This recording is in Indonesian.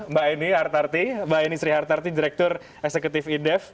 mbak eni hartarti mbak eni sri hartarti direktur eksekutif indef